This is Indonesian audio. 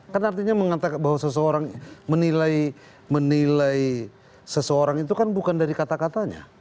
kan artinya mengatakan bahwa seseorang menilai seseorang itu kan bukan dari kata katanya